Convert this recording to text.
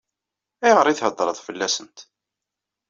Ayɣer i theddṛeḍ fell-asent?